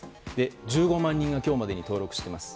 １５万人が今日までに登録しています。